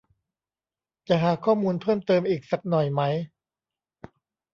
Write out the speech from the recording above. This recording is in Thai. จะหาข้อมูลเพิ่มเติมอีกสักหน่อยไหม